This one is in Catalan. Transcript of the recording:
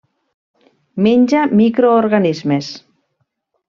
Menja microorganismes.